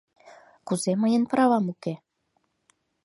— Кузе мыйын правам уке?